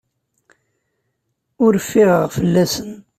Ur ffiɣeɣ fell-asen.